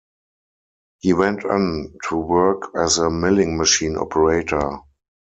He went on to work as a milling machine operator.